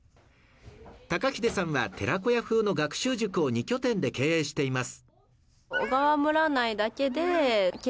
隆秀さんは寺子屋風の学習塾を２拠点で経営しています。